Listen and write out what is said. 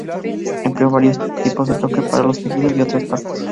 Empleó varios tipos de toque para los tejidos y otras partes.